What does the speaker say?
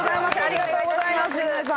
ありがとうございます。